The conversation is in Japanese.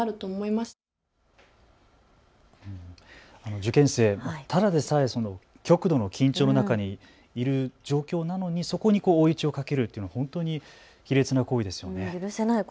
受験生、ただでさえ極度の緊張の中にいる状況なのにそこに追い打ちをかけるというのは卑劣な行為ですね。